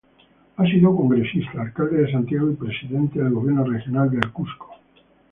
Ha sido Congresista, alcalde de Santiago y presidente del Gobierno Regional del Cusco.